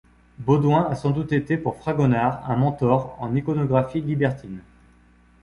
Baudouin a sans doute été pour Fragonard un mentor en iconographie libertine.